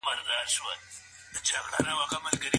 افغانان خپلواکي نه پلوري.